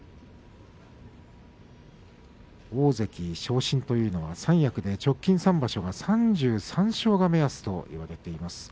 大関昇進というのは三役で直近３場所、３３勝が目安といわれています。